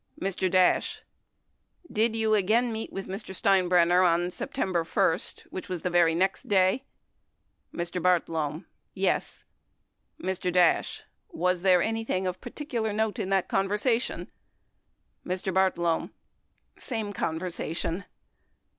Mr. Dash. Did you again meet with Mr. Steinbrenner on September 1, which was the very next day ? Mr. Bartlome. Yes. Mr. Dash. Was there anything particular of note in that conversation ? Mr. Bartlome. Same conversation.